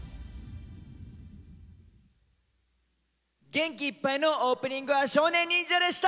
元気いっぱいのオープニングは少年忍者でした。